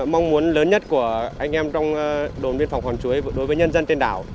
mong muốn lớn nhất của anh em trong đồn biên phòng hòn chuối đối với nhân dân trên đảo